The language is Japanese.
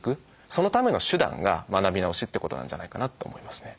そのための手段が学び直しってことなんじゃないかなと思いますね。